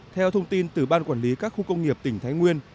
theo thông tin từ ban quản lý các khu công nghiệp tỉnh thái nguyên